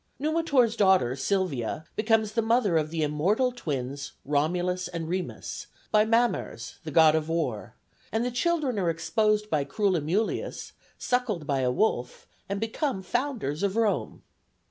Numitor's daughter, Silvia, becomes the mother of the immortal twins Romulus and Remus, by Mamers, the god of war; the children are exposed by cruel Amulius, suckled by a wolf, and become founders of Rome.